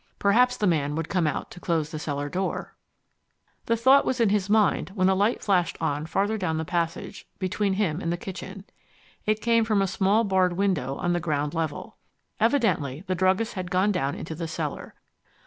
Perhaps the man would come out to close the cellar door The thought was in his mind when a light flashed on farther down the passage, between him and the kitchen. It came from a small barred window on the ground level. Evidently the druggist had gone down into the cellar.